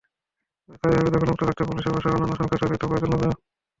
তবে স্থায়ীভাবে দখলমুক্ত রাখতে পুলিশের পাশাপাশি অন্যান্য সংস্থারও সহযোগিতা প্রয়োজন হবে।